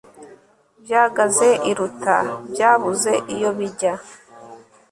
byagaze iruta byabuze iyo bijya